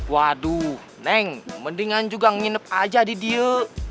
waduh neng mendingan juga nginep aja di die